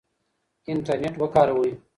انټرنیټ وکاروئ.